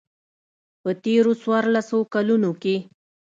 په تېرو څوارلسو کلونو کې.